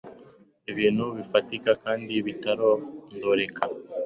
Ibintu bifatika kandi bitarondoreka